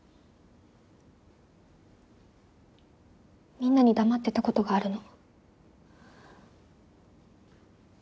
みんなに黙ってたことがあるの。